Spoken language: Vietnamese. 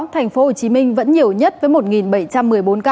thành phố hồ chí minh vẫn nhiều nhất với một bảy trăm một mươi bốn ca